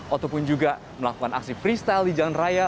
ataupun juga melakukan aksi freestyle di jalan raya